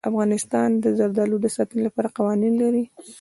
افغانستان د زردالو د ساتنې لپاره قوانین لري.